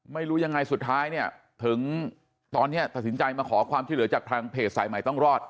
ไม่รู้ยังไงสุดท้ายเนี่ยถึงตอนนี้ตัดสินใจมาขอความช่วยเหลือจากทางเพจสายใหม่ต้องรอด